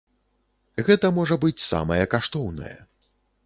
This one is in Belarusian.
Гэта, можа быць, самае каштоўнае.